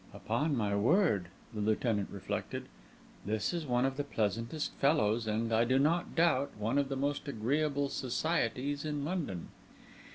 "Upon my word," the Lieutenant reflected, "this is one of the pleasantest fellows and, I do not doubt, one of the most agreeable societies in London."